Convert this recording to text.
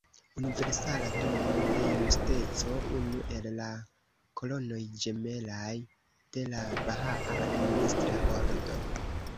Universala Domo de Justeco: Unu el la kolonoj ĝemelaj de la Bahaa administra ordo.